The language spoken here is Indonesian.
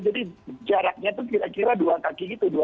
jadi jaraknya itu kira kira dua kaki gitu